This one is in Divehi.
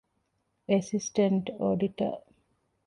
އެސިސްޓެންްޓް އޮޑިޓަރ